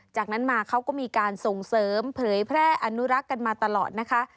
จากนั้นมาเขาก็มีการส่งเสริมเผยแพร่อนุรักษ์กันมาตลอดนะคะ